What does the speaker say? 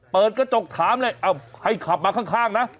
เปิดกระจกถามเลยให้ขับมาข้างนะ